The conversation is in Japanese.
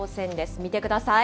見てください。